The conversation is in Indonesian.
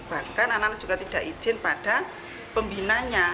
bahkan anak anak juga tidak izin pada pembinanya